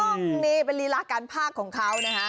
ต้องนี่เป็นลีลาการภาคของเขานะคะ